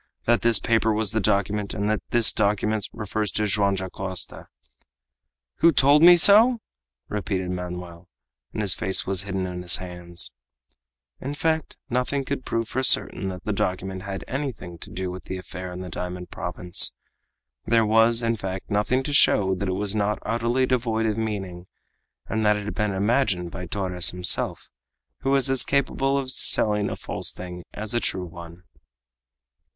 that this paper was the document, and that this document refers to Joam Dacosta?" "Who told me so?" repeated Manoel, and his face was hidden in his hands. In fact, nothing could prove for certain that the document had anything to do with the affair in the diamond province. There was, in fact, nothing to show that it was not utterly devoid of meaning, and that it had been imagined by Torres himself, who was as capable of selling a false thing as a true one!